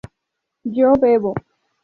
¿yo bebo?